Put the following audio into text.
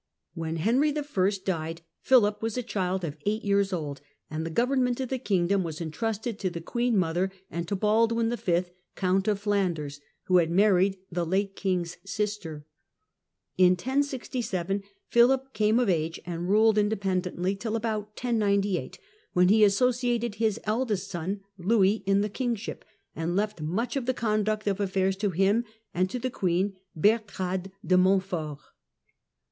When Henry I. died, Philip was a child of eight years old, and the government of the kingdom was entrusted to the queen lother and to Baldwin V., Count of Flanders, who had larried the late king's sister. In 1067 Philip came of je and ruled independently till about 1098, when he jsociated his eldest son Louis in the kingship, and left luch of the conduct of affairs to him and to the queen, lertrade de Montfort.